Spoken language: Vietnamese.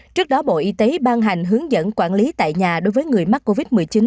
trước đó bộ y tế ban hành hướng dẫn quản lý tại nhà đối với người mắc covid một mươi chín